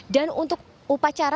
dan untuk upacara